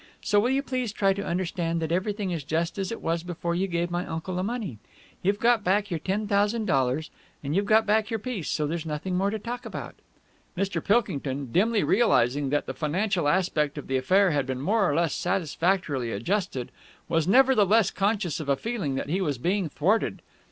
So will you please try to understand that everything is just as it was before you gave my uncle the money. You've got back your ten thousand dollars and you've got back your piece, so there's nothing more to talk about." Mr. Pilkington, dimly realizing that the financial aspect of the affair had been more or less satisfactorily adjusted, was nevertheless conscious of a feeling that he was being thwarted.